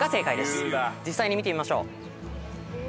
実際に見てみましょう。